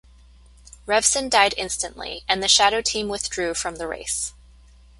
Revson died instantly, and the Shadow team withdrew from the race.